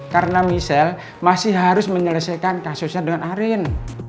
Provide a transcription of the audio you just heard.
karena michelle masih harus menyelesaikan kasusnya dengan arin